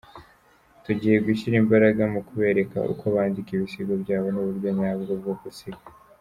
Tugiye gushyira imbaraga mu kubereka uko bandika ibisigo byabo n’uburyo nyabwo bwo gusiga.